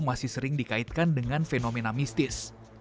masih sering dikaitkan dengan fenomena mistis